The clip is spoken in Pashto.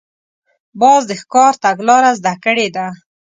باز د ښکار تګلاره زده کړې ده